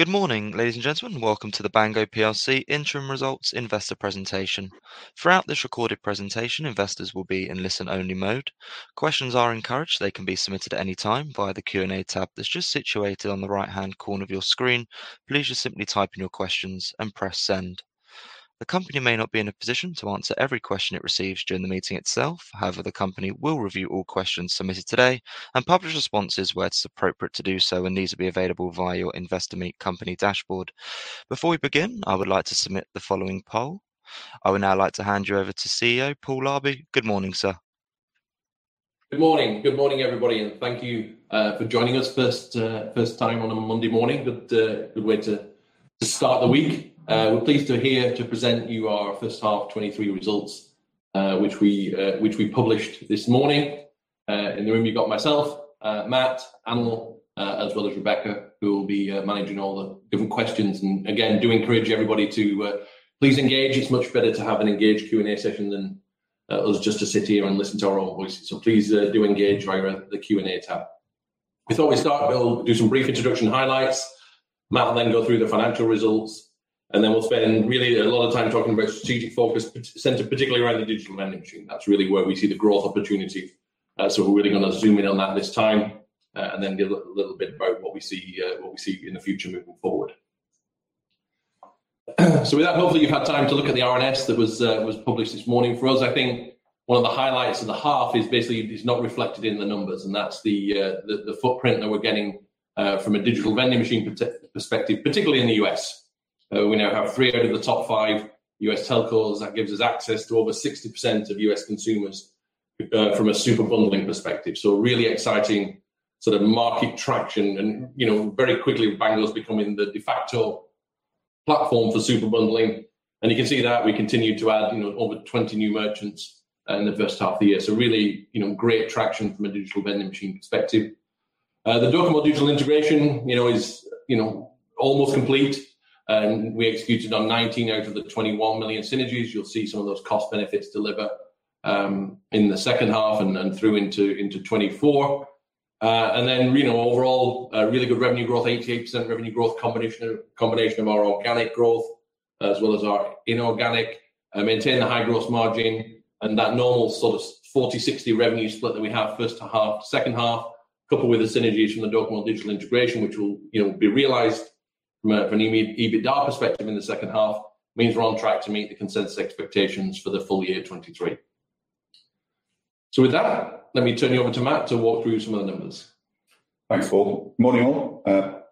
Good morning, ladies and gentlemen. Welcome to the Bango Plc Interim Results Investor Presentation. Throughout this recorded presentation, investors will be in listen-only mode. Questions are encouraged. They can be submitted at any time via the Q&A tab that's just situated on the right-hand corner of your screen. Please just simply type in your questions and press send. The company may not be in a position to answer every question it receives during the meeting itself. However, the company will review all questions submitted today and publish responses where it's appropriate to do so, and these will be available via your InvestorMeet Company dashboard. Before we begin, I would like to submit the following poll. I would now like to hand you over to CEO Paul Larbey. Good morning, sir. Good morning. Good morning, everybody, and thank you for joining us first time on a Monday morning, but good way to start the week. We're pleased to be here to present you our first half 2023 results which we published this morning. In the room, you've got myself, Matt, Anil, as well as Rebecca, who will be managing all the different questions. Again, do encourage everybody to please engage. It's much better to have an engaged Q&A session than us just to sit here and listen to our own voices. Please do engage via the Q&A tab. We thought we'd start, we'll do some brief introduction highlights. Matt will then go through the financial results, and then we'll spend really a lot of time talking about strategic focus, centered particularly around the Digital Vending Machine. That's really where we see the growth opportunity. We're really going to zoom in on that this time and then give a little bit about what we see in the future moving forward. With that, hopefully you've had time to look at the RNS that was published this morning for us. I think one of the highlights of the half is basically, is not reflected in the numbers, and that's the footprint that we're getting from a Digital Vending Machine perspective, particularly in the U.S. We now have three out of the top five U.S. telcos. That gives us access to over 60% of U.S. consumers from a Super Bundling perspective. Really exciting sort of market traction and very quickly Bango's becoming the de facto platform for Super Bundling. You can see that we continue to add over 20 new merchants in the first half of the year. Really great traction from a Digital Vending Machine perspective. The Docomo Digital integration is almost complete. We executed on 19 out of the 21 million synergies. You'll see some of those cost benefits deliver in the second half and through into 2024. Overall, really good revenue growth, 88% revenue growth combination of our organic growth as well as our inorganic. Maintain the high gross margin and that normal sort of 40/60 revenue split that we have first half, second half, coupled with the synergies from the Docomo Digital integration, which will be realized from an EBITDA perspective in the second half, means we're on track to meet the consensus expectations for the full year 2023. With that, let me turn you over to Matt to walk through some of the numbers. Thanks, Paul. Morning, all.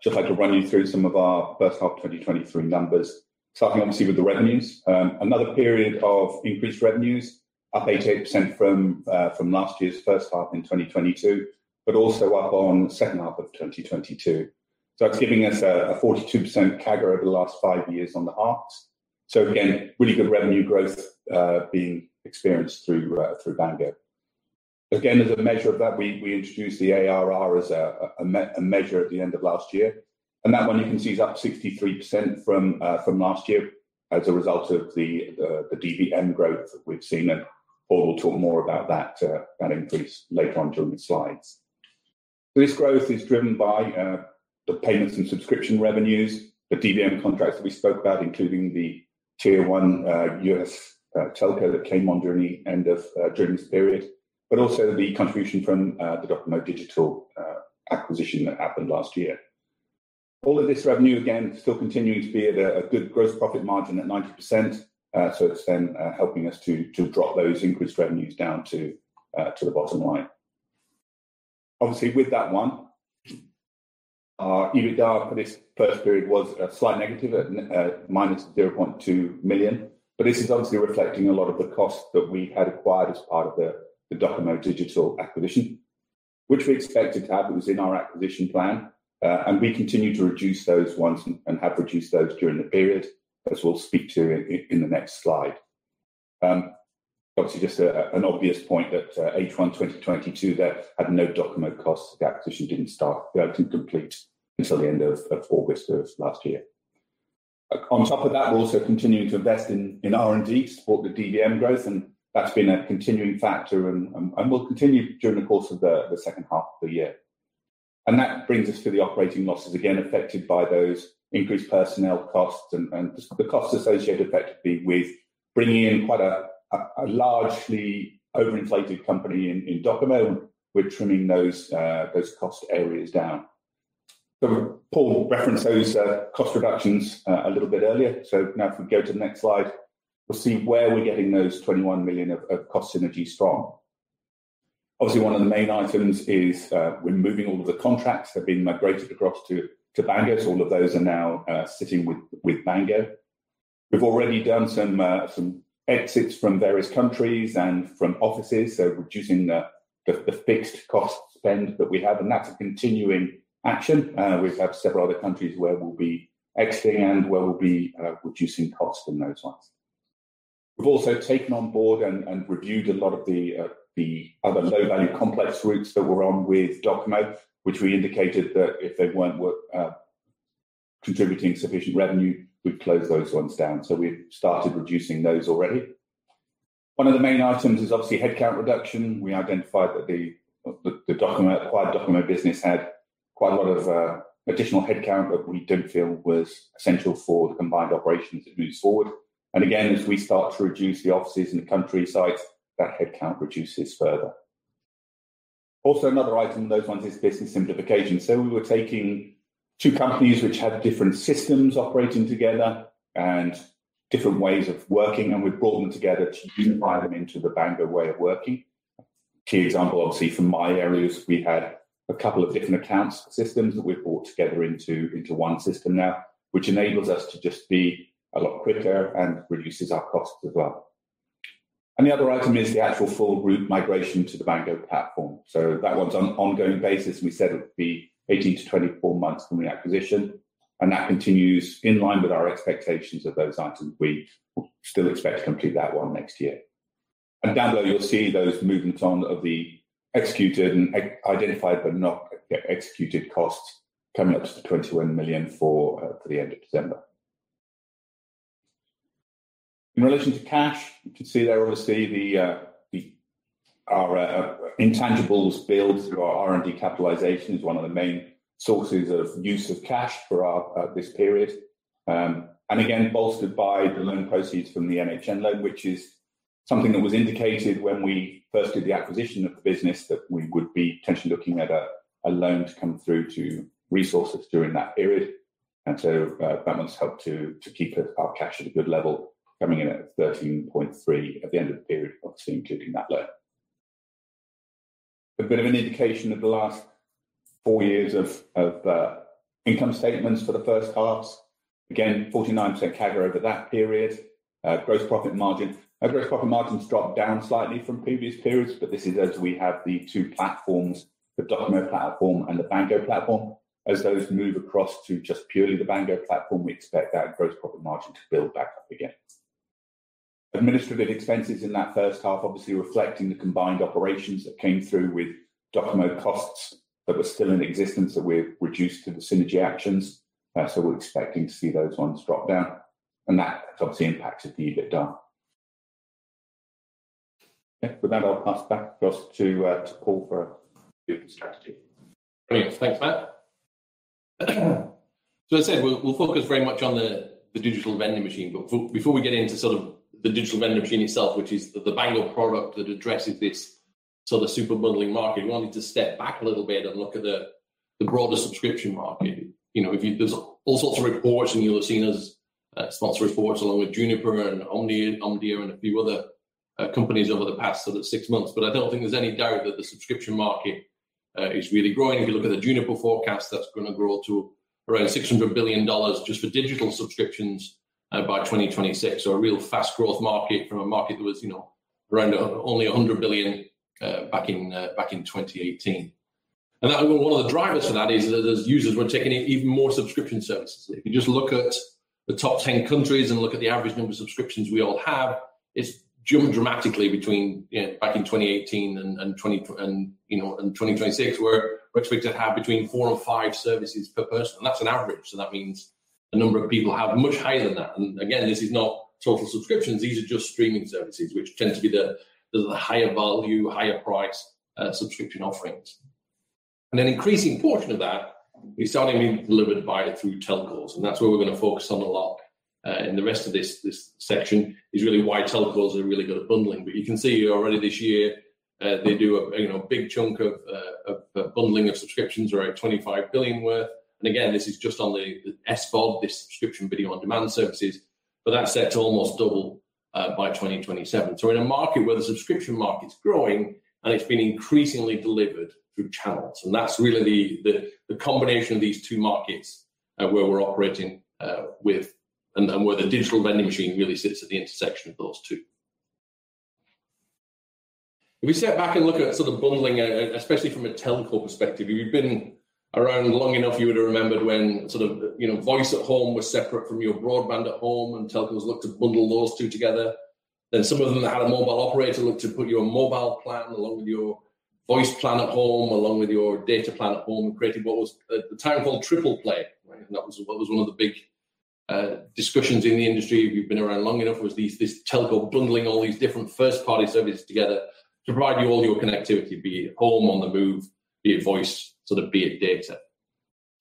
Just like to run you through some of our first half 2023 numbers. Starting obviously with the revenues. Another period of increased revenues, up 88% from last year's first half in 2022, but also up on second half of 2022. That's giving us a 42% CAGR over the last five years on the halves. Again, really good revenue growth being experienced through Bango. Again, as a measure of that, we introduced the ARR as a measure at the end of last year. That one you can see is up 63% from last year as a result of the DVM growth that we've seen, and Paul will talk more about that increase later on during the slides. This growth is driven by the payments and subscription revenues, the DVM contracts that we spoke about, including the tier 1 U.S. telco that came on during this period, but also the contribution from the Docomo Digital acquisition that happened last year. All of this revenue, again, still continuing to be at a good gross profit margin at 90%. It's then helping us to drop those increased revenues down to the bottom line. Obviously, with that one, our EBITDA for this first period was a slight negative at minus 0.2 million, but this is obviously reflecting a lot of the costs that we had acquired as part of the Docomo Digital acquisition, which we expected to have. It was in our acquisition plan. We continue to reduce those ones and have reduced those during the period, as we'll speak to in the next slide. Obviously, just an obvious point that H1 2022 there had no Docomo costs. The acquisition didn't complete until the end of August of last year. On top of that, we're also continuing to invest in R&D to support the DVM growth, that's been a continuing factor and will continue during the course of the second half of the year. That brings us to the operating losses, again affected by those increased personnel costs and the costs associated effectively with bringing in quite a largely overinflated company in Docomo. We're trimming those cost areas down. Paul referenced those cost reductions a little bit earlier. Now if we go to the next slide, we'll see where we're getting those 21 million of cost synergies from. Obviously, one of the main items is removing all of the contracts that have been migrated across to Bango. All of those are now sitting with Bango. We've already done some exits from various countries and from offices, reducing the fixed cost spend that we have, that's a continuing action. We have several other countries where we'll be exiting and where we'll be reducing costs from those ones. We've also taken on board and reviewed a lot of the other low-value complex routes that were on with Docomo, which we indicated that if they weren't contributing sufficient revenue, we'd close those ones down. We've started reducing those already One of the main items is obviously headcount reduction. We identified that the acquired Docomo business had quite a lot of additional headcount that we didn't feel was essential for the combined operations as it moves forward. Again, as we start to reduce the offices in the country sites, that headcount reduces further. Another item in those ones is business simplification. We were taking two companies which have different systems operating together and different ways of working. We've brought them together to unify them into the Bango way of working. Key example, obviously from my areas, we had a couple of different accounts systems that we've brought together into one system now, which enables us to just be a lot quicker and reduces our costs as well. The other item is the actual full group migration to the Bango platform. That one's on an ongoing basis, and we said it would be 18 to 24 months from the acquisition, and that continues in line with our expectations of those items. We still expect to complete that one next year. Down below you'll see those movements on of the executed and identified but not yet executed costs coming up to the 21 million for the end of December. In relation to cash, you can see there obviously our intangibles build through our R&D capitalizations, one of the main sources of use of cash for this period. Again, bolstered by the loan proceeds from the MHN loan, which is something that was indicated when we first did the acquisition of the business, that we would be potentially looking at a loan to come through to resource us during that period. That one's helped to keep our cash at a good level coming in at 13.3 at the end of the period, obviously including that loan. A bit of an indication of the last four years of income statements for the first halves. 49% CAGR over that period. Our gross profit margins dropped down slightly from previous periods, but this is as we have the two platforms, the Docomo platform and the Bango platform. As those move across to just purely the Bango platform, we expect that gross profit margin to build back up again. Administrative expenses in that first half obviously reflecting the combined operations that came through with Docomo costs that were still in existence that we've reduced through the synergy actions. We're expecting to see those ones drop down and that obviously impacts EBITDA. With that I'll pass back to Paul for strategy. Brilliant. Thanks, Matt. As I said, we'll focus very much on the Digital Vending Machine. Before we get into sort of the Digital Vending Machine itself, which is the Bango product that addresses this Super Bundling market, we wanted to step back a little bit and look at the broader subscription market. There's all sorts of reports and you'll have seen us sponsor reports along with Juniper and Omdia, and a few other companies over the past six months. I don't think there's any doubt that the subscription market is really growing. If you look at the Juniper forecast, that's going to grow to around GBP 600 billion just for digital subscriptions by 2026. A real fast growth market from a market that was around only 100 billion back in 2018. One of the drivers for that is that as users we're taking even more subscription services. If you just look at the top 10 countries and look at the average number of subscriptions we all have, it's jumped dramatically between back in 2018 and 2026, where we're expected to have between four and five services per person. That's an average, so that means a number of people have much higher than that. Again, this is not total subscriptions, these are just streaming services, which tend to be the higher value, higher price subscription offerings. An increasing portion of that is starting to be delivered through telcos, that's where we're going to focus on a lot in the rest of this section is really why telcos are really good at bundling. You can see already this year they do a big chunk of bundling of subscriptions, around 25 billion worth. Again, this is just on the SVOD, the subscription video on demand services, but that's set to almost double by 2027. We're in a market where the subscription market's growing and it's been increasingly delivered through channels, that's really the combination of these two markets, where we're operating with and where the Digital Vending Machine really sits at the intersection of those two. If we step back and look at sort of bundling, especially from a telco perspective, if you've been around long enough you would have remembered when voice at home was separate from your broadband at home and telcos looked to bundle those two together. Some of them that had a mobile operator looked to put your mobile plan along with your voice plan at home, along with your data plan at home and created what was at the time called triple play. Right? That was one of the big discussions in the industry if you've been around long enough, was this telco bundling all these different first party services together to provide you all your connectivity, be it at home, on the move, be it voice, be it data.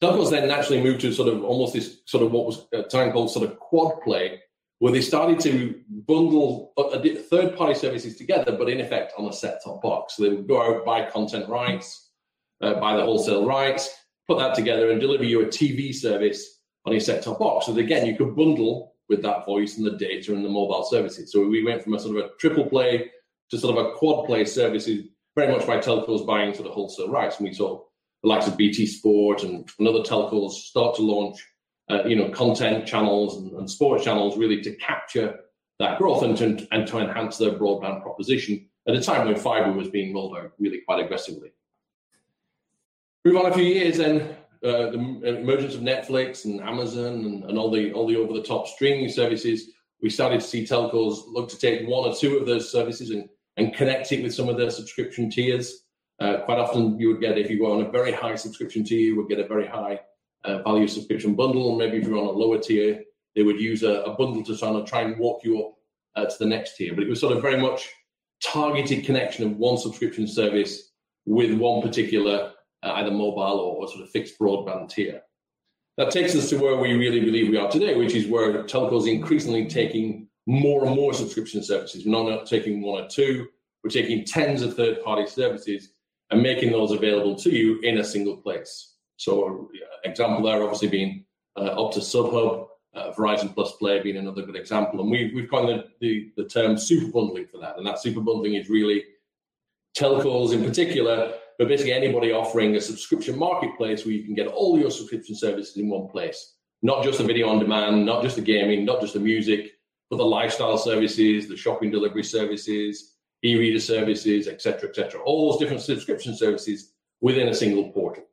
Telcos naturally moved to almost this what was at the time called quad play, where they started to bundle third party services together, but in effect on a set top box. They would go out and buy content rights, buy the wholesale rights, put that together and deliver you a TV service on your set top box. Again, you could bundle with that voice and the data and the mobile services. We went from a triple play to a quad play services very much by telcos buying into the wholesale rights. We saw the likes of BT Sport and other telcos start to launch content channels and sports channels really to capture that growth and to enhance their broadband proposition at a time when fiber was being rolled out really quite aggressively. Move on a few years and the emergence of Netflix and Amazon and all the over the top streaming services, we started to see telcos look to take one or two of those services and connect it with some of their subscription tiers. Quite often you would get if you go on a very high subscription tier, you would get a very high value subscription bundle. Maybe if you're on a lower tier, they would use a bundle to try and walk you up to the next tier. It was very much targeted connection of one subscription service with one particular either mobile or fixed broadband tier. That takes us to where we really believe we are today, which is where telcos increasingly taking more and more subscription services. Not taking one or two. We're taking tens of third-party services and making those available to you in a single place. Example there obviously being Optus SubHub, Verizon +play being another good example. We've coined the term Super Bundling for that, and that Super Bundling is really telcos in particular, but basically anybody offering a subscription marketplace where you can get all your subscription services in one place. Not just the video on demand, not just the gaming, not just the music, but the lifestyle services, the shopping delivery services, e-reader services, et cetera. All those different subscription services within a single portal.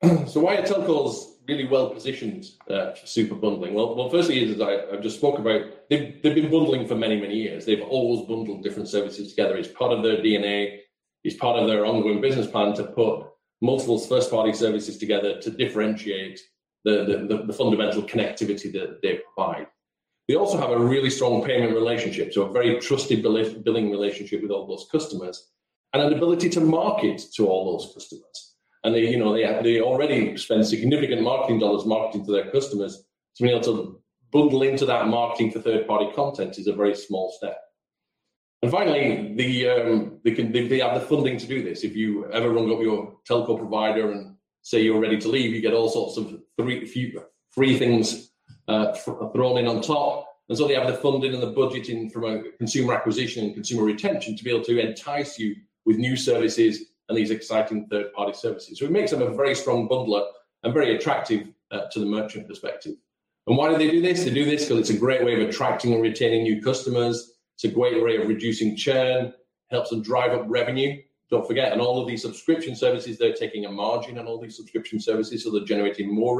Why are telcos really well-positioned for Super Bundling? Firstly is, as I've just spoken about, they've been bundling for many, many years. They've always bundled different services together. It's part of their DNA. It's part of their ongoing business plan to put multiple first-party services together to differentiate the fundamental connectivity that they provide. They also have a really strong payment relationship, so a very trusted billing relationship with all those customers, and an ability to market to all those customers. They already spend significant marketing dollars marketing to their customers. To be able to bundle into that marketing for third-party content is a very small step. Finally, they have the funding to do this. If you ever ring up your telco provider and say you're ready to leave, you get all sorts of free things thrown in on top. They have the funding and the budgeting from a consumer acquisition and consumer retention to be able to entice you with new services and these exciting third-party services. It makes them a very strong bundler and very attractive to the merchant perspective. Why do they do this? They do this because it's a great way of attracting and retaining new customers. It's a great way of reducing churn, helps them drive up revenue. Don't forget, in all of these subscription services, they're taking a margin on all these subscription services, so they're generating more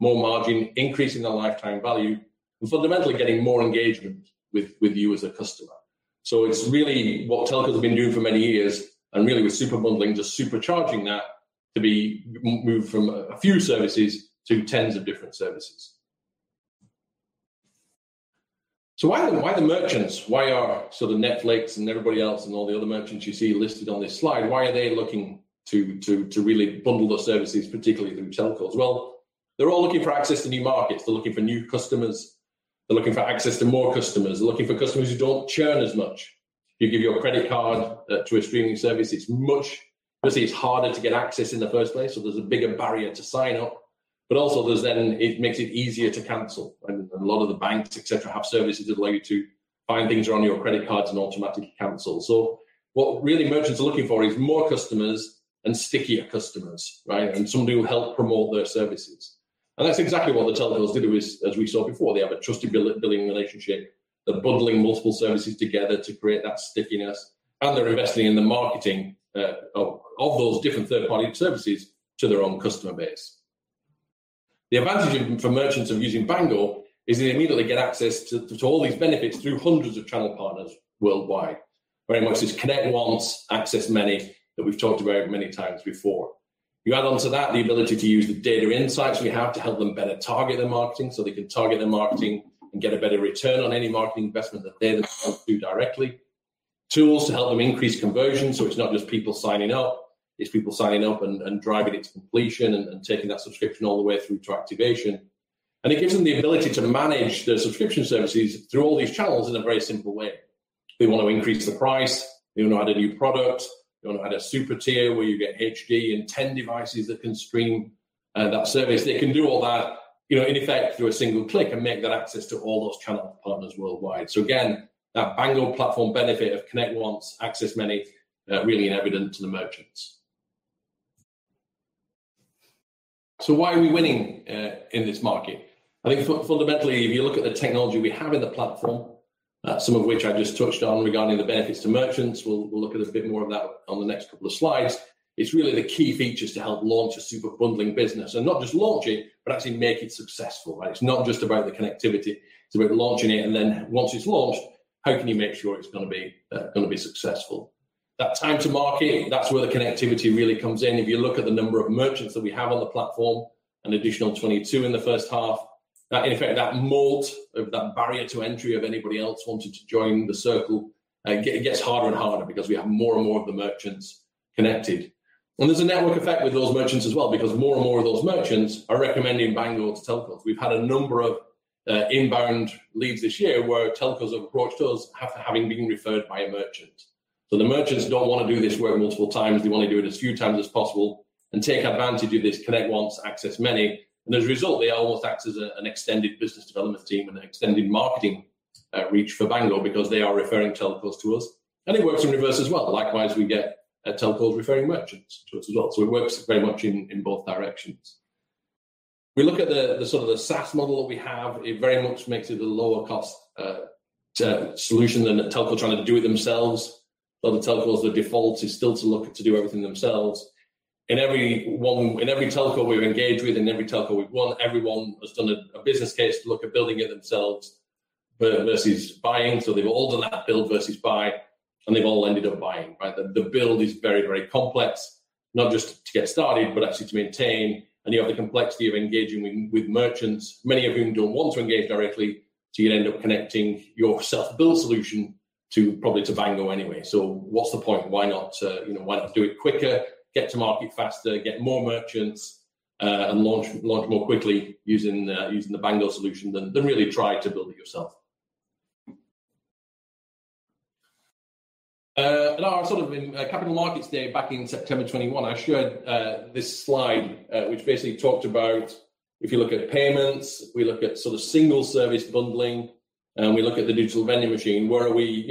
revenue, more margin, increasing their lifetime value, and fundamentally getting more engagement with you as a customer. It's really what telcos have been doing for many years, and really with Super Bundling, just supercharging that to be moved from a few services to tens of different services. Why the merchants? Why are the Netflix and everybody else and all the other merchants you see listed on this slide, why are they looking to really bundle those services, particularly through telcos? They're all looking for access to new markets. They're looking for new customers. They're looking for access to more customers. They're looking for customers who don't churn as much. If you give your credit card to a streaming service, obviously it's harder to get access in the first place, so there's a bigger barrier to sign up. It makes it easier to cancel, and a lot of the banks, et cetera, have services that allow you to find things are on your credit cards and automatically cancel. What really merchants are looking for is more customers and stickier customers, right? Somebody who will help promote their services. That's exactly what the telcos do, as we saw before. They have a trusted billing relationship. They're bundling multiple services together to create that stickiness, and they're investing in the marketing of those different third-party services to their own customer base. The advantage for merchants of using Bango is they immediately get access to all these benefits through hundreds of channel partners worldwide. Very much this connect once, access many that we've talked about many times before. You add on to that the ability to use the data insights we have to help them better target their marketing so they can target their marketing and get a better return on any marketing investment that they themselves do directly. Tools to help them increase conversion so it's not just people signing up, it's people signing up and driving it to completion and taking that subscription all the way through to activation. It gives them the ability to manage their subscription services through all these channels in a very simple way. If they want to increase the price, they want to add a new product, they want to add a super tier where you get HD and 10 devices that can stream that service. They can do all that, in effect, through a single click and make that access to all those channel partners worldwide. Again, that Bango platform benefit of connect once, access many really in evident to the merchants. Why are we winning in this market? I think fundamentally, if you look at the technology we have in the platform, some of which I just touched on regarding the benefits to merchants. We'll look at a bit more of that on the next couple of slides. It's really the key features to help launch a Super Bundling business. Not just launch it, but actually make it successful, right? It's not just about the connectivity, it's about launching it, and then once it's launched, how can you make sure it's going to be successful? That time to market, that's where the connectivity really comes in. If you look at the number of merchants that we have on the platform, an additional 22 in the first half. In effect, that moat of that barrier to entry of anybody else wanting to join the circle, it gets harder and harder because we have more and more of the merchants connected. There's a network effect with those merchants as well, because more and more of those merchants are recommending Bango to telcos. We've had a number of inbound leads this year where telcos have approached us having been referred by a merchant. The merchants don't want to do this work multiple times. They want to do it as few times as possible and take advantage of this connect once, access many. As a result, they almost act as an extended business development team and an extended marketing reach for Bango because they are referring telcos to us, and it works in reverse as well. Likewise, we get telcos referring merchants to us a lot. It works very much in both directions. We look at the SaaS model that we have. It very much makes it a lower cost solution than a telco trying to do it themselves. A lot of telcos, their default is still to look to do everything themselves. In every telco we've engaged with, in every telco we've won, everyone has done a business case to look at building it themselves versus buying. They've all done that build versus buy, and they've all ended up buying, right? The build is very complex, not just to get started, but actually to maintain. You have the complexity of engaging with merchants, many of whom don't want to engage directly, so you're going to end up connecting your self-build solution probably to Bango anyway. What's the point? Why not do it quicker, get to market faster, get more merchants, and launch more quickly using the Bango solution than really try to build it yourself. At our capital markets day back in September 2021, I showed this slide, which basically talked about if you look at payments, we look at sort of single service bundling, and we look at the Digital Vending Machine, where are we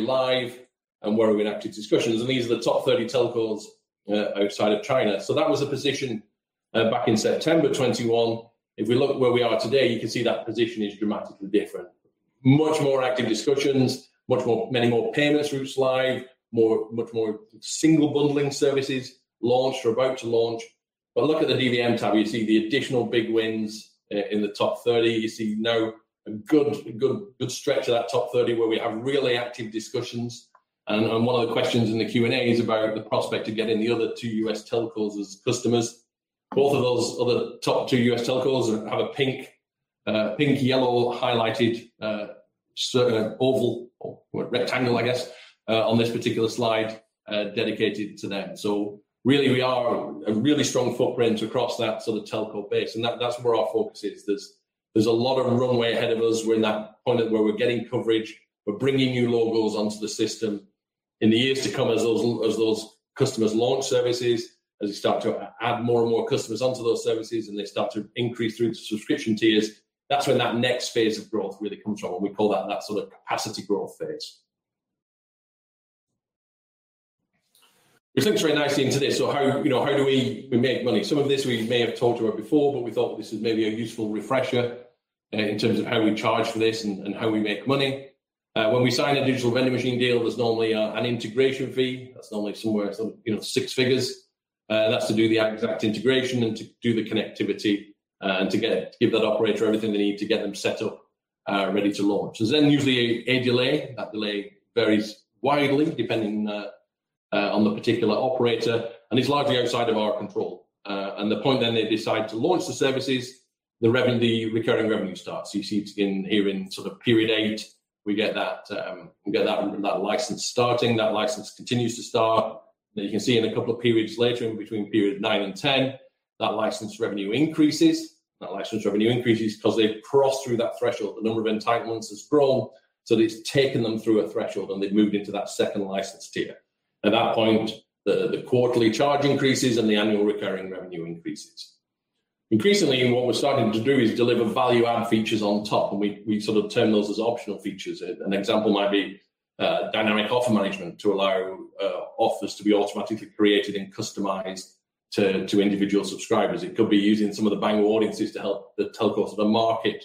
live and where are we in active discussions. These are the top 30 telcos outside of China. That was the position back in September 2021. If we look at where we are today, you can see that position is dramatically different. Much more active discussions, many more payments routes live, much more single bundling services launched or about to launch. Look at the DVM tab, you see the additional big wins in the top 30. You see now a good stretch of that top 30 where we have really active discussions, and one of the questions in the Q&A is about the prospect of getting the other 2 U.S. telcos as customers. Both of those other top 2 U.S. telcos have a pink, yellow highlighted oval or rectangle, I guess, on this particular slide dedicated to them. Really we are a really strong footprint across that sort of telco base, and that's where our focus is. There's a lot of runway ahead of us. We're in that point where we're getting coverage. We're bringing new logos onto the system. In the years to come, as those customers launch services, as we start to add more and more customers onto those services, and they start to increase through the subscription tiers, that's when that next phase of growth really comes from, and we call that sort of capacity growth phase. Which links very nicely into this. How do we make money? Some of this we may have talked about before, but we thought this was maybe a useful refresher in terms of how we charge for this and how we make money. When we sign a Digital Vending Machine deal, there's normally an integration fee that's normally somewhere six figures. That's to do the exact integration and to do the connectivity, and to give that operator everything they need to get them set up, ready to launch. There's usually a delay. That delay varies widely depending on the particular operator, it's largely outside of our control. The point then they decide to launch the services, the recurring revenue starts. You see it here in sort of period 8, we get that license starting. That license continues to start. You can see in a couple of periods later, in between period 9 and 10, that license revenue increases. That license revenue increases because they've crossed through that threshold. The number of entitlements has grown, so it's taken them through a threshold, and they've moved into that second license tier. At that point, the quarterly charge increases and the annual recurring revenue increases. Increasingly, what we're starting to do is deliver value-add features on top, we sort of term those as optional features. An example might be dynamic offer management to allow offers to be automatically created and customized to individual subscribers. It could be using some of the Bango Audiences to help the telcos to market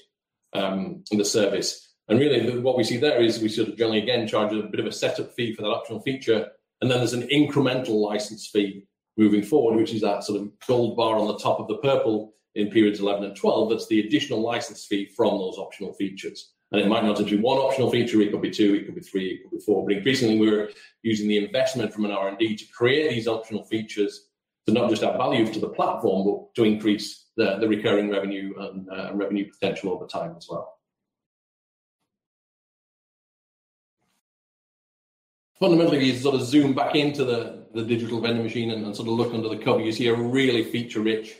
the service. Really what we see there is we generally, again, charge a bit of a setup fee for that optional feature, then there's an incremental license fee moving forward, which is that sort of gold bar on the top of the purple in periods 11 and 12. That's the additional license fee from those optional features. It might not be one optional feature, it could be two, it could be three, it could be four. Increasingly, we're using the investment from R&D to create these optional features to not just add value to the platform, but to increase the recurring revenue and revenue potential over time as well. Fundamentally, if you sort of zoom back into the Digital Vending Machine and sort of look under the hood, you see a really feature-rich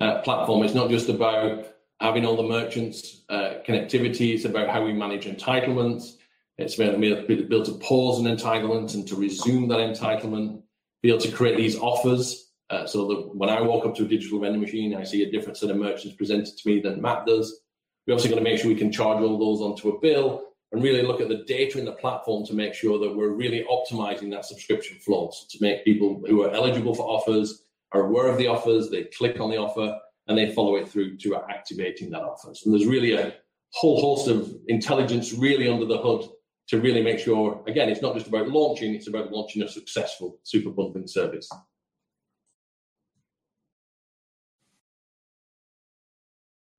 platform. It's not just about having all the merchants, connectivity. It's about how we manage entitlements. It's about being able to pause an entitlement and to resume that entitlement, be able to create these offers, so that when I walk up to a Digital Vending Machine, I see a different set of merchants presented to me than Matt does. We've also got to make sure we can charge all those onto a bill and really look at the data in the platform to make sure that we're really optimizing that subscription flow to make people who are eligible for offers are aware of the offers, they click on the offer, and they follow it through to activating that offer. There's really a whole host of intelligence really under the hood to really make sure, again, it's not just about launching, it's about launching a successful Super Bundling service.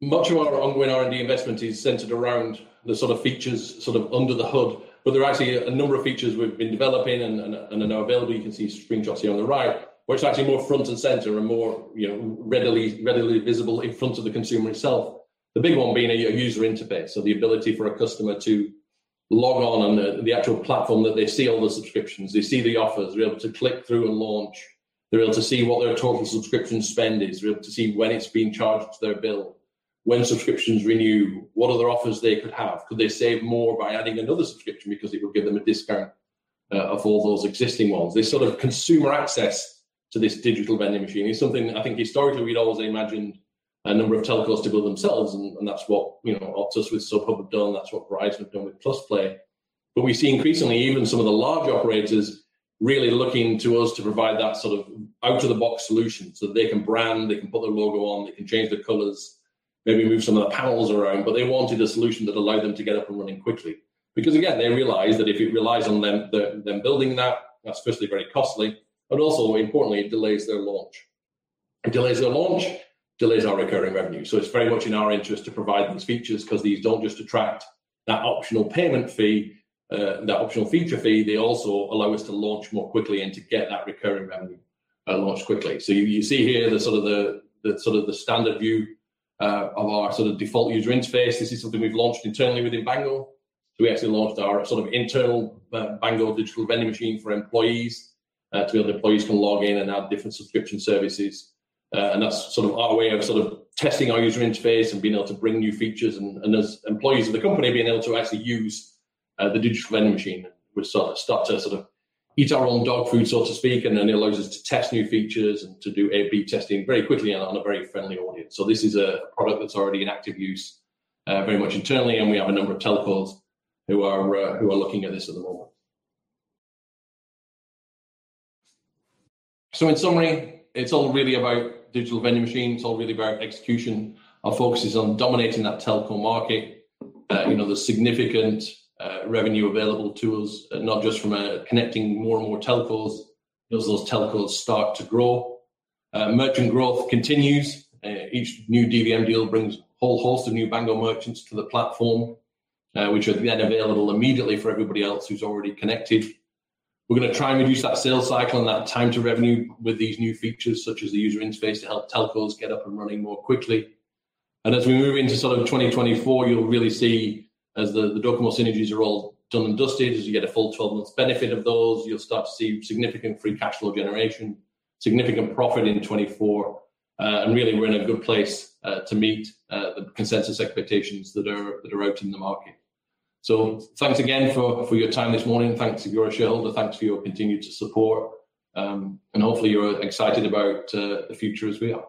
Much of our ongoing R&D investment is centered around the sort of features sort of under the hood. There are actually a number of features we've been developing and are now available. You can see screenshots here on the right, which are actually more front and center and more readily visible in front of the consumer itself. The big one being a user interface, so the ability for a customer to log on, and the actual platform that they see all the subscriptions, they see the offers, they're able to click through and launch. They're able to see what their total subscription spend is. They're able to see when it's being charged to their bill, when subscriptions renew, what other offers they could have. Could they save more by adding another subscription because it would give them a discount off all those existing ones? This sort of consumer access to this Digital Vending Machine is something I think historically we'd always imagined a number of telcos to build themselves, and that's what Optus with SubHub have done, that's what Verizon have done with +play. We see increasingly even some of the larger operators really looking to us to provide that sort of out-of-the-box solution, so that they can brand, they can put their logo on, they can change the colors, maybe move some of the panels around. They wanted a solution that allowed them to get up and running quickly. Again, they realize that if it relies on them building that's firstly very costly, but also importantly, it delays their launch, delays our recurring revenue. It's very much in our interest to provide these features because these don't just attract that optional payment fee, that optional feature fee, they also allow us to launch more quickly and to get that recurring revenue launched quickly. You see here the standard view of our default user interface. This is something we've launched internally within Bango. We actually launched our internal Bango Digital Vending Machine for employees, to be able to employees can log in and have different subscription services. That's our way of testing our user interface and being able to bring new features and, as employees of the company, being able to actually use the Digital Vending Machine, which start to eat our own dog food, so to speak, and then it allows us to test new features and to do A/B testing very quickly and on a very friendly audience. This is a product that's already in active use very much internally, and we have a number of telcos who are looking at this at the moment. In summary, it's all really about Digital Vending Machine. It's all really about execution. Our focus is on dominating that telco market. There's significant revenue available to us, not just from connecting more and more telcos, but as those telcos start to grow. Merchant growth continues. Each new DVM deal brings a whole host of new Bango merchants to the platform, which are then available immediately for everybody else who's already connected. We're going to try and reduce that sales cycle and that time to revenue with these new features, such as the user interface, to help telcos get up and running more quickly. As we move into 2024, you'll really see as the Docomo synergies are all done and dusted, as you get a full 12 months benefit of those, you'll start to see significant free cash flow generation, significant profit in 2024. Really, we're in a good place to meet the consensus expectations that are out in the market. Thanks again for your time this morning. Thanks if you're a shareholder, thanks for your continued support. Hopefully you're excited about the future as we are